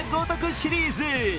シリーズ。